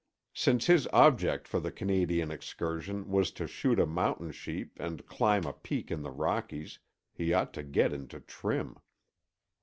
Since his object for the Canadian excursion was to shoot a mountain sheep and climb a peak in the Rockies, he ought to get into trim.